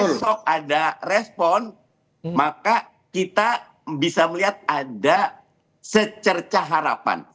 besok ada respon maka kita bisa melihat ada secerca harapan